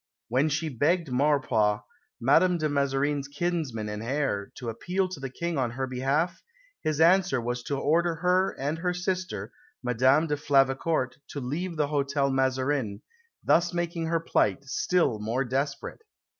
When she begged Maurepas, Madame de Mazarin's kinsman and heir, to appeal to the King on her behalf, his answer was to order her and her sister, Madame de Flavacourt, to leave the Hotel Mazarin, thus making her plight still more desperate.